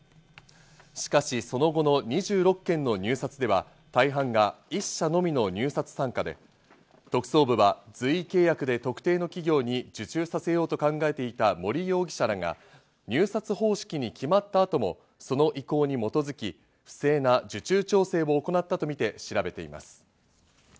しかし、その後の２６件の入札では大半が１社のみの入札参加で、特捜部は随意契約で特定の企業に受注させようと考えていた森容疑者らが、入札方式に決まった後もその意向に基づき、不正な受注調整を行ったとみて調べています。